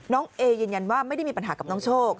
เอยืนยันว่าไม่ได้มีปัญหากับน้องโชค